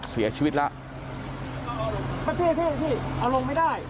เขาเสียชีวิตแล้วอ่ะเขาเสียชีวิตแล้วฮะ